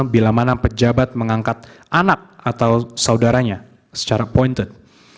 bila mana pejabat mengangkat anak atau saudaranya secara pointed